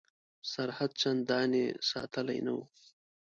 سرحد چنداني ساتلی نه وو.